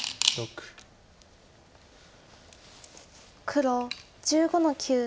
黒１５の九取り。